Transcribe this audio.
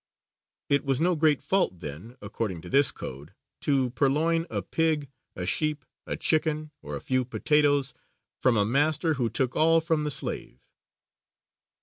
It was no great fault, then, according to this code, to purloin a pig, a sheep, a chicken, or a few potatoes from a master who took all from the slave.